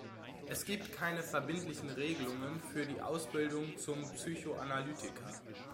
Es gibt keine verbindlichen Regelungen für die Ausbildung zum Psychoanalytiker.